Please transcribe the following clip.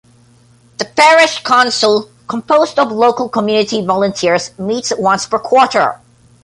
The Parish Council, composed of local community volunteers, meets once per quarter.